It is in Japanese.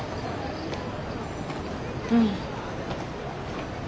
うん。